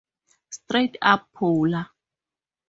Straight Up Paula!